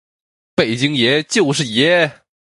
北京爷，就是爷！